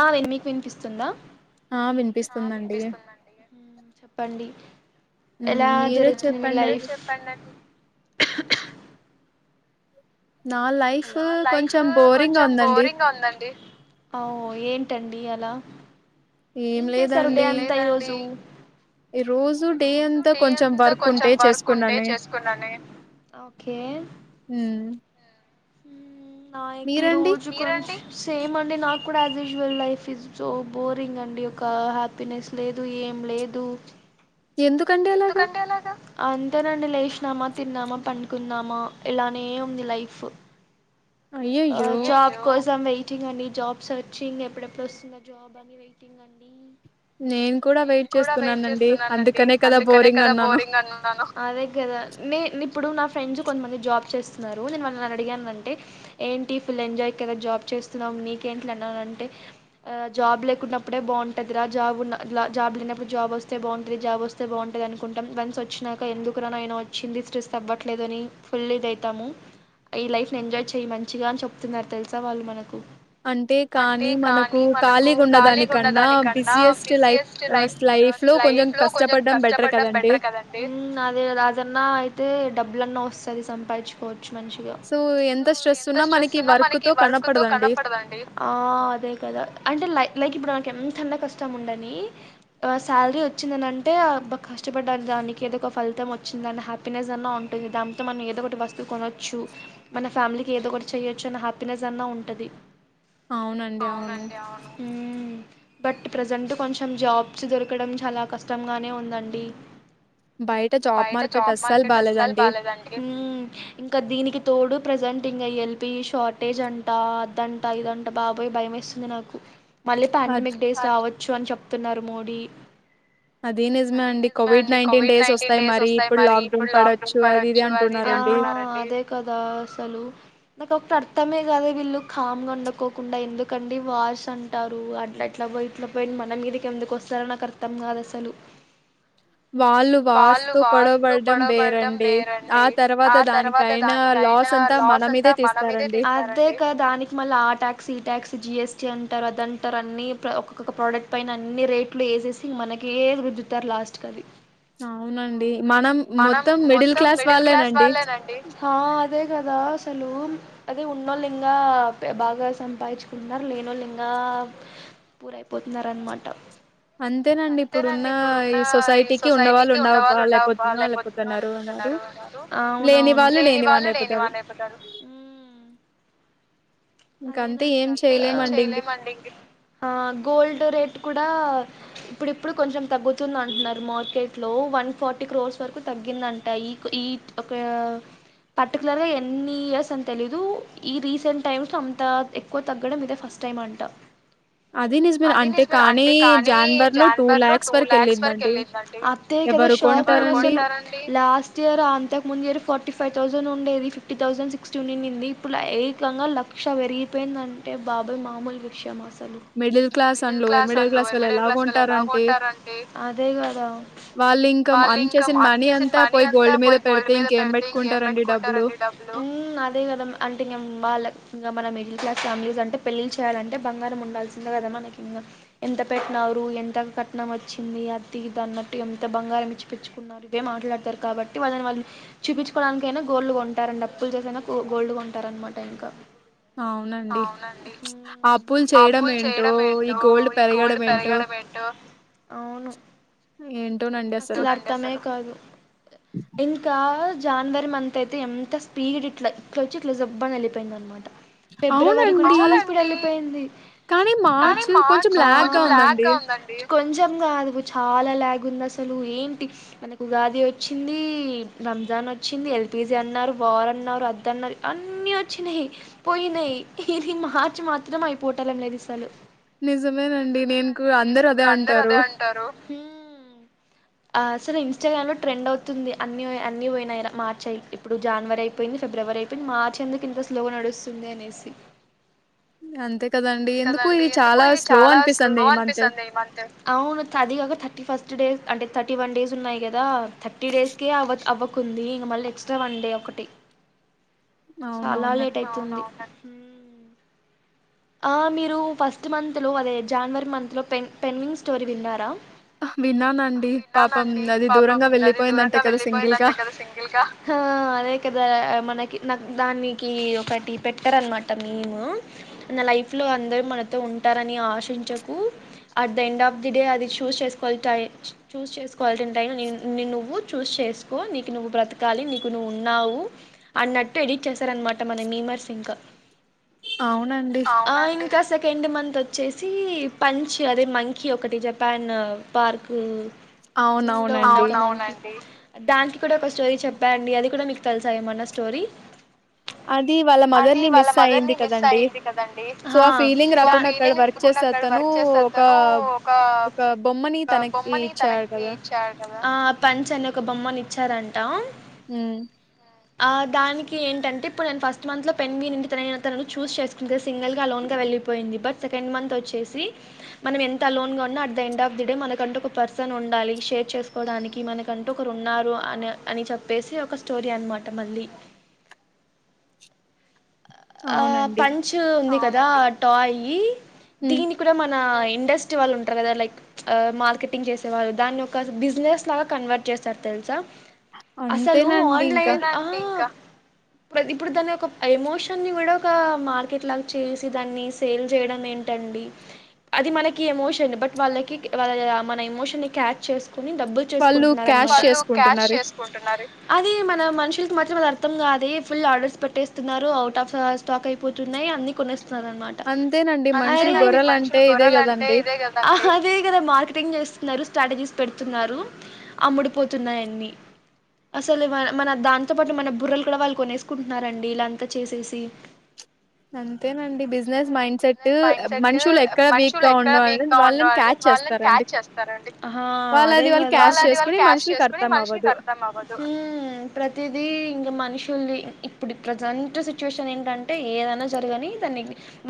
ఆ మీకు వినిపిస్తుందా ఆ ఆ వినిపిస్తుందండి వినిపిస్తుందండి చెప్పండి మ్మ్, ఎలా మీరే జరుగుతుంది మీ లైఫ్ చెప్పండండి నా లైఫ్ హలో నా లైఫ్ కొంచెం బోరింగ్ గా కొంచం ఉందండి బోరింగ్ గా ఉందండి ఔ ఏంటండి అండి అలా ఏం చేశారు డే అంతా ఈ రోజు ఈ రోజు ఈ డే రోజు అంతా డే కొంచెం అంత వర్క్ కొంచం ఉంటే వర్క్ ఉంటే చేసుకున్నానే చేసుకున్నానె ఒకే మ్మ్. హ్మ్ నా ఈ మీరండి రోజు కూడా కోన్ సేమ్ అండి నాకు కూడా as usual life is so boring అండి ఒక హ్యాపీనెస్ లేదు ఏం లేదు ఎందుకండి అలాగా అంతేనండి లేసినామా తిన్నామా పండుకున్నామా ఇలానే ఉంది లైఫ్ అ అయ్యయ్యో జబ్ కోస్ యాం వెయిటింగ్ అండి జాబ్ సెర్చింగ్ ఎప్పుడెప్పుడు వస్తుందో జాబ్ అని వెయిటింగ్ అండి నేను కూడా నేను వెయిట్ కూడా వెయిట్ చేస్తున్నానండి చేస్తున్నానండి అందుకనే కదా అందుకనే బోరింగ్ కదా అన్నాను బోరింగ్ అన్నాను అదే కదా ఇప్పుడు నా ఫ్రెండ్స్ కొంతమంది జాబ్ చేస్తున్నారు నేను వాళ్లని అడిగాను ఏంటి ఫుల్ ఎంజాయ్ కదా జాబ్ చేస్తున్నావ్ నీకేంటిలే అన్నానంటే ఆ జాబ్ లేకునపుడే బాగుంటుంది రా జాబ్ ఉన్న జాబ్ లేనపుడు జాబ్ వస్తె బాగుంటుంది జాబ్ వస్తె బాగుంటుంది అని అనుకుంటాం వన్స్ వచ్చినాక ఎందుకు రా నైనా వచ్చింది స్ట్రెస్ అవ్వట్లేదు అని రియలైజ్ అవుతాము ఈ లైఫ్ ఎంజాయ్ చేయి మంచిగా అని చెప్తున్నారు తెలుసా వాళ్ళు మనకు అంటే అంటే కానీ మనకు కానీ మనకు ఖాళీగా ఉన్న కాళీగా దానికన్నా ఉండదాని కన్నా బిజియెస్ట్ లైఫ్ బిజియస్ట్ లైఫ్ లో కొంచెం లైఫ్ లో కొంచెం కష్టపడడం బెటర్ కష్టపడడం కదండి బెటర్ కదండి అదన్నా అయితే డబ్బుల సారి సంపాదించుకొచ్చ్ మంచిగా ఎంత స్ట్రెస్ ఉన్నా మనకి వర్క్ తో కనపడదండి ఆ అదే కదా అంటే లై లైక్ ఇప్పుడు మనకు ఎంతన్నా కష్టం ఉండని శాలరీ వచ్చిందనింటే కష్టపడ్డారు దానికి ఏదో ఒక ఫలితం వచ్చింది దాన్ని హ్యాపీనెస్ అన్న ఉంటుంది దానింతో మనం ఏదో ఒకటి వస్తువు కొనొచ్చు మన ఫ్యామిలీకి ఏదో ఒకటి చెయొచ్చు అని హ్యాపీనెస్ అన్నా ఉంటది అవునండి అవును ఊ బట్ ప్రజెంట్ కొంచెం జాబ్స్ దొరకడం చాలా కష్టంగానే ఉందండి బయట జాబ్ మార్కెట్ అస్సలు బాలేదండి ఊ ఇంకా దినికి ఇప్పుడు ప్రెజెంట్ ఇంకా ఎల్పీఇ షార్టేజ్ అంట అద్దంటా ఇదంట బాబోయి భయం వేస్తుంది నాకు మళ్ళీ అద్ ప్యాండెమిక్ డేస్ రావచ్చు అని చెప్ప ప్తున్నారు మోడీ అది నిజమే అండి కోవిడ్ నైన్టీన్ డేస్ వస్తాయి మరి ఇప్పుడు లాక్డౌన్ పడొచ్చు అది ఇది అంటున్నారండి కదా అసలు నాకు ఒకటి అర్థమే కాలే వీళ్ళు కామ్గా ఉండకోకుండా ఎందుకండి వార్స్ అంటారు అట్లా అట్లా పోయి ఇట్లా పోయి మన మీదకి ఎందుకు వస్తారో నాకు అర్థం కాదు అసలు వాళ్ళు వాళ్ళు వారుస్తూ వార్స్తో గొడవబడటం గొడవపడటం వేరండి ఆ తర్వాత దానికైనా అయిన లాస్ అంతా మన మీదే తీస్తారండి అదే కా దానికి మళ్ళీ ఆ ట్యాక్స్ ఈ ట్యాక్స్ జిఎస్టి అంటారు అద అంటారు అన్ని ఒక్కొక్క ప్రోడక్ట్ పైన అన్ని రేట్లు వేసేసి మనకే రుద్దుతారు లాస్ట్కి అది అవునండి మనం మొత్తం మిడిల్ క్లాస్ వాళ్ళేనండి అదే కదా అసలు అదే ఉన్నోళ్ళ ఇంగా బాగా సంపాదించుకుంటున్నారు లేనోళ్ళ ఇంగా పూరయిపోతున్నారు అనమాట అంతేనండి ఇప్పుడు ఉన్న ఈ సొసైటీకి ఉండవాళ్ళు ఉండ లేకపోతున్నారు లేకపోతున్నారు ఉన్నారు లేని వాళ్ళు లేని వాళ్ళు లేని వాళ్లు అయిపోతారు ఇంకంతే అదేనండి ఇంకంతేలెండి ఏం చేయలేమండి ఇంక చేయలేం అండి గోల్డ్ రేట్ కూడా ఇప్పుడు ఇప్పుడు కొంచెం తగ్గుతుంది అంటున్నారు మార్కెట్ లో వన్ ఫార్టీ క్రోర్స్ వరకు తగ్గిందంట ఈ ఈ ఒక పర్టికులర్గా ఎన్ని ఇయర్స్ అని తెలీదు ఈ రీసెంట్ టైమ్స్ అంత ఎక్కువ తగ్గడం ఇదే ఫస్ట్ టైం అంట అది నిజమే అంటే కానీ జనవరి లో టూ లక్స్ వరకు వరకెళ్ళిందండి. వెళ్ళింది అండి ఎవరు కొంటారండి అదే కదా ఎవరు కొంటారండి? షాక్ లాస్ట్ ఇయర్ అంతకు ముందు ఫ ఫిఫ్టీ ఫైవ్ థౌజండ్ ఉండేది ఫిఫ్టీ థౌసండ్ సిక్స్టీ ఉండింది ఇప్పుడు ఏకంగా లక్ష పెరిగిపోయిందంటే బాబాయ్ మామూలు విషయమా అస లు middle class and middle lower class on lower middle వాళ్ళెలా క్లాస్ వాళ్ళు ఏలా కొంటారంటే, కొంటారండి అదే గదా వాళ్ళింకా వాళ్ళు అర్న్ ఇంకా చేసిన అన్ మనీ అసలు అంతా మనీ పోయి అంతా గోల్డ్ మీద పోయి గోల్డ్ పెడితే మీద ఇంకేం పెడ్ ఇంకే పెట్టుకుంటారండి డబ్బులు? పెట్టుకుంటారండి డబ్బులు అదే కదా అంటే ఇంగ వాళ్ళ ఇంకా మన మిడిల్ క్లాస్ ఫ్యామిలీస్ అంటే పెళ్ళిలూ చేయాలంటే బంగారం ఉంల్సిందే కదా మనకి ఇంగ ఎంత పెట్టినారు ఎంత కట్నం వచ్చింది అతి ఇది అన్నట్టు ఎంత బంగారం ఇచ్చి పెచ్చుకున్నారు ఇదే మాట్లాడతారు కాబట్టి వాళ్ళని వాళ్ళు చూపించుకోవడానికికైనా గోల్డ్గా కొంటారండి అప్పులు చేసైనా గోల్డ్గా కొంటారనమాట ఇంకా అవునండి. అవునండి ఆ అప్పులు ఆ అప్పులు చేయడమేంటో, చేయడం ఈ ఏంటో గోల్డ్ ఈ గోల్డ్ పెరగడమేంటో, పెరగడం ఏంటో అవును అసలు అర్థమే కాదు ఇంకా జనవరి మంత్ అయితే ఎంత స్పీడ్ ఇట్లా ఇట్లా వచ్చి ఇట్లా జూప్ అని వెళ్ళిపోయిందనమాట ఫిబ్రవరి కూడా అవునండి. చాలా స్పీడ్ వెళ్ళిపోయింది కానీ కానీ కొంచెం మార్చ్ ల్యాగ్‌గా కొంచెం బ్లాక్ గా ఉందండి కొంచెం కాదు చాలా ల్యాగ్ ఉంది అసలు ఏంటి మనకు ఉగాది వచ్చింది రం మజాన్ వచ్చింది ఎల్పిజి అన్నారు వార్ అన్నారు అద్ద అన్నారు అన్ని వచ్చినయి పోయినయి ఇరిమా మార్చ్ మాత్రం అయిపోటాలం లేదు ఇసలు నిజమేనండి నేనుకు అందరు అదే కూడా అందరు అంటారు అదే ఆసలు ఇస్టాగ్రామ్ లో ట్రెండ్ అవుతుంది అన్ని అన్ని పోయి మార్చ అయి ఇప్పుడు జనవరి అయిపోయింది ఫిబ్రవరి అయిపోయింది మార్చ ఎందుకు ఇంత స్లోగా నడుస్తుంది అనేసి అంతే కదండీ. అంతే ఎందుకో కదండి ఇది ఎందుకు చాలా ఇది స్లో చాలా అనిపిస్తుంది స్లో ఈ మంత్. అనిపిస్తుంది ఇ మంత్ అవును థర్టీ ఓగ థర్టీ ఫస్ట్ డేస్ అంటే థర్టీ వన్ డేస్ ఉన్నాయి కదా థర్టీ డేస్ కే అవ్వ అవ్వక కుంది ఇక మళ్ళీ ఎక్స్ట్రా వన్ డే ఒకటి చాలా లేట్ అవునవునండి. అయితుంది అవును అవును హుమ్ ఆ మీరు ఫస్ట్ మంత్ లో అదే జానవరి మంత్ లో పెన్ పెంగ్విన్ స్టోరీ విన్నారా అహ్! విన్నానండి పాపం అది దూరంగా వెళ్ళిపోయిందంట కదా సింగిల్ గా హా అదే కదా మనకి నాకు దానికి ఒకటి పెట్టరన్మాట మీము నా లైఫ్ లో అందరు మనతో ఉంటారని ఆశించకు at the end of the day అది చూస్ చేసుకోవాలి టై చూస్ చేసుకోవాల్టి టైం ని నిన్నీ నువ్వు చూస్ చేసుకో, నీకు నువ్వు బ్రతకాలి, నీకు నువ్వు ఉన్నావు, అన్నటు ఎడిట్ చేశారన్మాట మన మీమర్స్ ఇంక అవునండి క సెకండ్ మంత్ వచ్చేసి పంచ్ అదే మంకిీ ఒకటి జపాను పార్కు జూ లో అవునవునండి దానికి కూడా ఒక స్టోరీ చెప్పా అండి అది కూడా మీకు తెలిసా ఏమన్నా స్టోరీ? అది వాళ్ళ మదర్ ని మిస్ అయింది కదా హా దా అక్కడ వర్క్ చేసే అతను ఒక ఒక బొమ్మని తనకి ఇచ్చాడు కదా ఆ పంచ్ అని ఒక బొమ్మని ఇచ్చారంట హ్మ్ ఆ దానికి ఏంటంటే ఇప్పుడు నేను ఫస్ట్ మంత్ లో పెన్విన్ ఇంటి తనయ తనను చూస్ చేసుకుంటే సింగల్ గా, అలోన్ గా వెళ్ళిపోయింది‌. బట్ సెకండ్ మంత్ వచ్చేసి మనం ఎంత లోన్ గా ఉన్న at the end of the day మనకంటూ ఒక పర్సన్ ఉండాలి, షేర్ చేసుకోవడానికి మనకంటూ ఒకరు ఉన్నారు అని అని చెప్పేసి ఒక స్టోరీ అన్మాట మళ్ళీ. ఆ అవునండి పంచ్ ఉంది క దా టాయి ఉమ్ దీన్ని కూడ మనా ఇండస్ట్రీ వాళ్ళు ఉంటరు కదా లైక్ ప్చ్ ఆ మార్కెటింగ్ చేసే వాళ్ళు దాన్ని ఒక బిజినెస్ లాగా కన్వర్ట్ చేస్తరు తెలుసా. అసలు అంతేనండి ఇంకా ఆన్లైన్ ఆ ప్రతిప్పుడు తనకు ఎమో షన్ నీ కూడా ఒకా మార్కెట్ లాగా చేసి, దాన్ని సేల్ చేయడం ఏంటండి. అది మనకి ఎమోషన్ బట్ వాళ్ళకి వాళ్ళ మన ఎమోషన్ క్యాచ్ చేస్ కొని డబ్బు వాళ్ళు క్యాష్ చేసుకుంటున్నారున్మాట. చేసుకుంటున్నారు అది మన మనుషులకు మాత్రం అది అర్థం కాదే ఫుల్ ఆర్డర్స్ పెట్టేస్తున్నారు ఔ టాఫ్ స్టాక్ అయిపోతున్నాయి అన్ని కొనేస్ తున్నారన్మాట అంతేనండి అరే మనుషులు గొర్రెలు అంటే ఇదే కదండి అదే కదా మార్కెటింగ్ చేస్త్ తున్నరు స్ట్రాటజీస్ పెడుతున్నారు. అమ్ముడుపోతున్నాయి అన్ని అసలు బన మన దాంతో పాటు మన బుర్రలు కూడ వాళ్ళు కొనేసుకుంటున్నారండి ఇలా అంత చేసేసి అంతేనండి బిజినెస్ మైండ్ సెట్ మనుషులు ఎక్కడ వీక్ గా ఉండ వాళ్ళని క్యాచ్ చేస్తారండి హా అదే వాళ్ళది వాళ్ళు కదా క్యాష్ చేసుకుని మనుషులకి అర్థం అవ్వదు మ్మ్ ప్రతిదీ ఇంకా మనుషుల్ది ఇప్పుడు ప్రజెం ట్ సిచ్యువేషన్ ఏంటంటే ఏదనా జరగని దాన్ని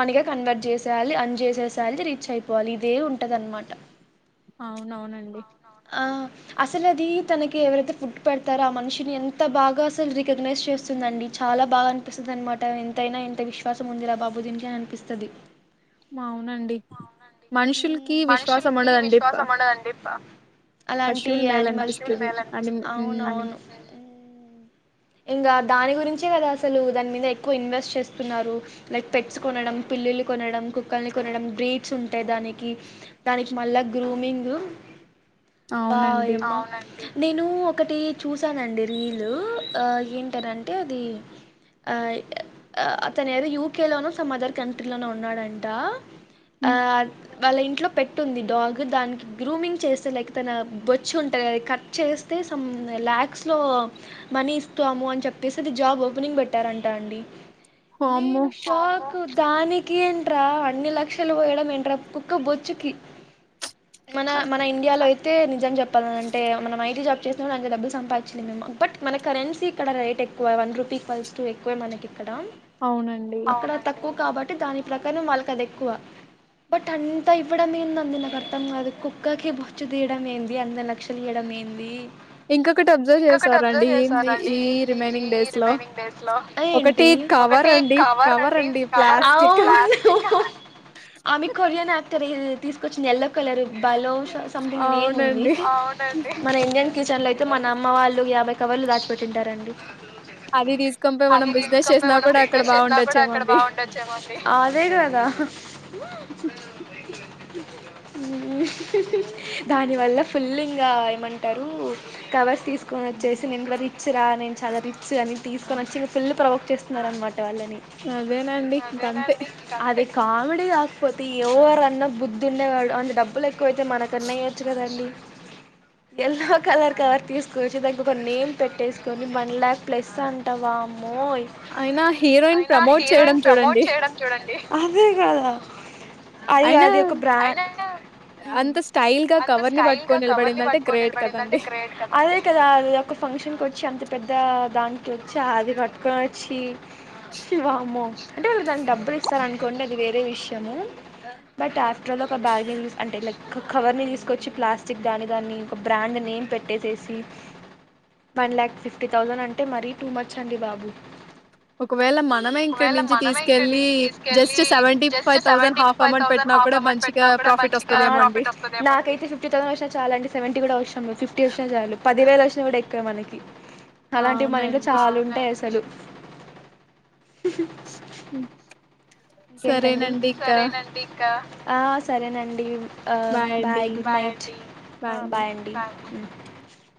మనీగా కన్వర్ట్ చేసేయాలి, అర్న్ చేసేసేయాలి, రీచ్ అయిపోవాలి ఇదే ఉంటది అన్మాట. అవును అవునండి ఆ అసలు అది తనకి ఎవరైతే ఫుడ్ పెడతారో ఆ మనిషిని ఎంత బాగా అసలు రికగ్నైజ్ చేస్తుందండి చాలా బాగ అనిపిస్తుందన్మాట ఎంతైనా ఇంత విశ్వాసం ఉందిరా బాబు దీనికి అనిపిస్తది మవునండి అవునండి. మనుషుల్కీ హ్మ్. విశ్వాసం మనుషులకి ఉండదండి ప విశ్వాసం ఉండదండి. ప అలాంటి పశువులు మేలు యానిమల్స్ కి అనిపిస్తది అని ఉమ్ అవునవును హ్మ్ ఇంగా దాని గురించే కదా అసలూ దాని మీద ఎక్కువ ఇన్వెస్ట్ చేస్తున్నారు లైక్ పెట్స్ కొనడం పిల్లిల్లు కొనడం కుక్కల్ని కొనడం బ్రీడ్స్ ఉంటయి దానికీ దానికి మళ్ళా గ్రూమింగ్ వా అవునండి ఏమో నేనూ ఒకటీ చూశానండి రీలూ ఆ ఏంటనంటే అదీ ఆ అతను ఏదో యూకేలోనో సమ్ అదర్ కంట్రీలోనో ఉన్నాడంటా ఆ హ్మ్. వాళ్ళ ఇంట్లో పెట్టుంది డాగ్ దానికి గ్రూమింగ్ చేస్తే లైక్ తన బొచ్చు ఉంటది గద కట్ చేస్తే సమ్ లాక్స్ లో మనీ ఇస్తాము అని చెప్పేసి అది జాబ్ ఓపెనింగ్ పెట్ పెట్టారంటా అండి వామ్మో నేను షాకు దానికి ఎంట్రా అన్ని లక్షలు పోయడం ఎంట్రా కుక్క బొచ్చుకి మన మన ఇండియాలో అయి టే నిజం చెప్పాలని అంటే మనం ఐటీ జాబ్ చేసినా కూడ అంత డబ్బుల్ సంపాదించ లేమేమో బట్ మన కరెన్సీ ఇక్కడ రేటెక్కువ వన్ రూపీ ఈక్వల్స్ టూ ఎక్కువే మనకి అవునండి అక్కడ తక్కువ్ కాబట్టి దాని ప్రకారం వాళ్ళకి అది ఎక్కువ బట్ అంత ఇవ్వడం ఏందంది నాకు అర్థం కాదు కుక్కకి బొచ్చు తీయడం ఏంది అంథ లక్షలీయడం ఏందీ ఇంకొకటి అబ్జర్వ్ చేసారండి ఏం చేసారండి ఈ రిమైనింగ్ ఈ డేస్ లో రిమైనింగ్ డేస్ ఒకటి ఏంటి కవర్ అండి కవర్ అండి ప్లాస్టిక్ కవర్ అవును హు ఆమె కొరియన్ యాక్ త్రి తీసుకొచ్చింది ఎల్లో కలర్ బలోష సమ్థింగ్ నేమ్ ఉంది అవునండి మన ఇండిన్ కిచెన్లో అయితే మనమ్మ వాళ్ళు యాభై కవర్లు దాచి పెట్టుంటారండి అది తీస్ అదే బాగుండొచ్చేమో అండి గదా మ్మ్ దానివల్ల ఫుల్ ఇంగా ఏమంటరూ కవర్స్ తీసుకొని వచ్చేసి నేను కూడ రిచ్ రా నేను చాలా రిచ్ అని తీసుకొని వచ్చి ఫుల్లూ ప్రవోక్ చేస్తున్నార్ అన్మాట వాళ్ళని అదేనండి ఇంకంతే అదే కామిడీ కాకపోతే ఎవరన్న బుద్ధుండే వాళ్ళ అని డబ్బులు ఎక్ క్కువైతే మన కన్న ఈయోచ్చు కదండి ఎల్లో కలర్ కవర్ తీసుకువచ్చి దానికి ఒక నేమ్ పెట్టేసుకొని వన్ లాక్ ప్లస్ అంట వామ్మో మోయి అయినా హీరోయిన్ ప్రమోట్ చేయడం చూడండి అదే కదా అది అయినా అది ఒక బ్రాం ఉమ్ అంత స్టైల్‌గా కవర్‌ని పట్టుకొని నిలబడిందంటే గ్రేట్ కదండీ! అదే కదా ఒక ఫంక్షన్ వచ్చి అంత పెద్దా దానికి వచ్చి ఆదిపట్ క్క వచ్చి వామ్మో అంటే వాళు దానికి డబ్బుల్ ఇస్తార్ అనుకోండి అది వేరే విషయము బట్ ఆఫ్టర్ ఆల్ ఒక బ్యాగ్ ని అంటే లైక్ కవర్ ని తీసుకొచ్చి ప్లాస్టిక్ దాని దాన్ని ఒక బ్రాండ్ నేమ్ పెట్టేసేసి వన్ లాక్ ఫిఫ్టీ థౌసండ్ అంటె మరీ టూ మచ్ అండి బాబ్ బు ఒకవేళ మనమే ఇక్కడి నుంచి తీసుకెళ్ళి జస్ట్ హాఫ్ అమౌంట్ పెట్టినా కూడా మంచిగా ప్రాఫిట్ ఒస్తదేమో అండి. నాకైతే ఫిఫ్టీ తౌసండ్ వచ్చిన చాలండి సెవెంటీ కూడ అవసరంలేదు ఫిఫ్టీ వచ్చిన చాలు పదివేలు వచ్ దేవుడు ఎక్క మనకి అలాంటివి మన ఇంట్లో అవునండి. చాలుంటాయి అస లేవ్ హు ఇంకేంటండి ఆ.. సరేనండి ఆ బాయ్ గుడ్ నైట్ ఆ బాయ్ అండి [unintelligible]